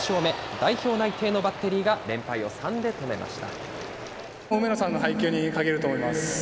代表内定のバッテリーが連敗を３で止めました。